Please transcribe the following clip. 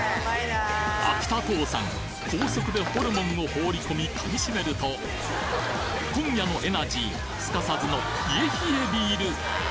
秋田父さん高速でホルモンを放り込み噛みしめると今夜のエナジーすかさずのひえひえビール！